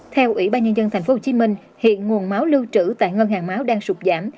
theo ủy ban nhân dân tp hcm hiện nguồn máu lưu trữ tại ngân hàng máu đang sụp giảm